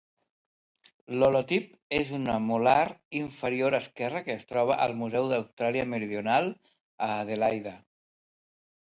L'holotip és una molar inferior esquerra que es troba al Museu d'Austràlia Meridional a Adelaida.